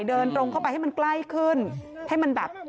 เดินลงเข้าไปให้มันใกล้ขึ้น